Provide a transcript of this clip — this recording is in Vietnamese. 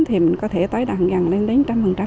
thì mình có thể tái đàn gần lên đến một trăm linh